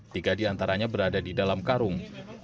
tiga di antaranya berada di dalam karung